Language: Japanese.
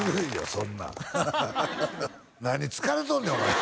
そんなん何疲れとんねんお前！